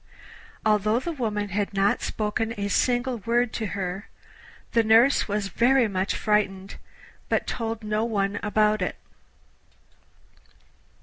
Although the woman had not spoken a single word to her, the nurse was very much frightened, but told no one about it.